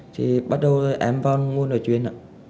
thì bắt đầu em vào mua nói chuyện